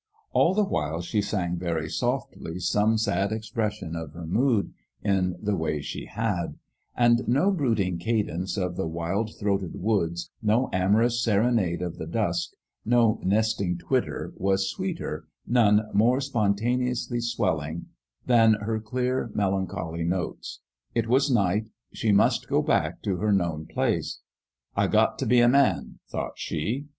All the while she sang very softly some sad expression of her mood, in the way she had ; and no brooding cadence of the wild throated woods, no amorous 26 An ENGAGEMENT WHH GOD serenade of the dusk, no nesting twitter, was sweeter, none more spontaneously swelling, than her clear, melancholy notes. It was night : she must go back to her known place. " I got t' be a man," thought she.